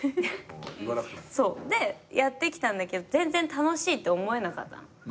言わなくても。でやってきたんだけど全然楽しいって思えなかったの。